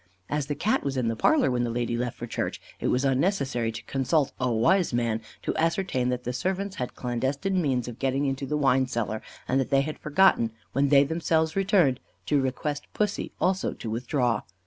As the Cat was in the parlour when the lady left for church, it was unnecessary to consult a "wise man" to ascertain that the servants had clandestine means of getting into the wine cellar, and that they had forgotten, when they themselves returned, to request pussy, also, to withdraw.